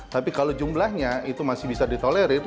tapi kalau jumlahnya itu masih bisa ditolerir